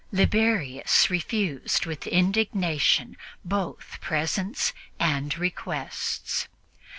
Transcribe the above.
Liberius refused with indignation both presents and requests.